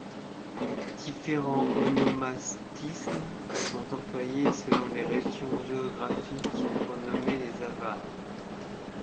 Différents onomastismes sont employés selon les régions géographiques pour nommer les avares.